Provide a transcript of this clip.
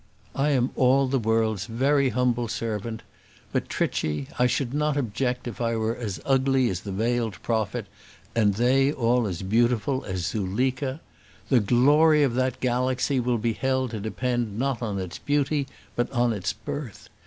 "I am all the world's very humble servant. But, Trichy, I should not object if I were as ugly as the veiled prophet and they all as beautiful as Zuleika. The glory of that galaxy will be held to depend not on its beauty, but on its birth.